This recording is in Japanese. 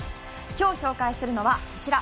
今日紹介するのは、こちら。